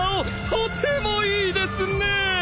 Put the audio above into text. とてもいいですねえ！